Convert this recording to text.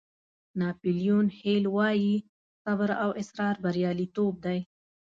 ناپیلیون هیل وایي صبر او اصرار بریالیتوب دی.